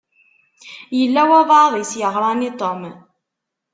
Yella walebɛaḍ i s-yeɣṛan i Tom.